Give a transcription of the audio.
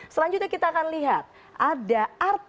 selanjutnya kita akan lihat